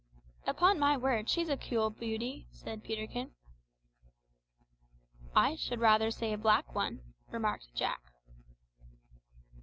"Upon my word, she's a cool beauty," said Peterkin. "I should rather say a black one," remarked Jack.